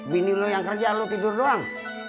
bini lo yang kerja lo tidur doang